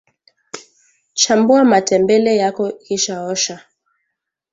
chambua matembele yako kisha osha